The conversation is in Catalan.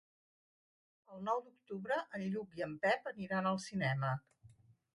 El nou d'octubre en Lluc i en Pep aniran al cinema.